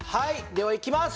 ではいきます。